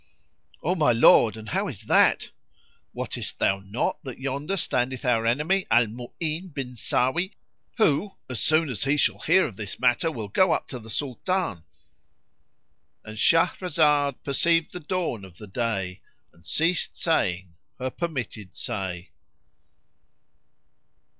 "O my lord, and how is that?" "Wottest thou not that yonder standeth our enemy Al Mu'ín bin Sáwí who, as soon as he shall hear of this matter, will go up to the Sultan"—And Shahrazad perceived the dawn of day and ceased saying her permitted say.